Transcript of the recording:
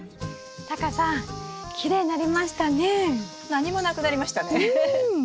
何もなくなりましたねはい。